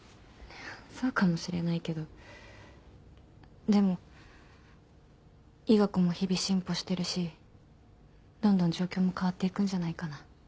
そうかもしれないけどでも医学も日々進歩してるしどんどん状況も変わっていくんじゃないかな？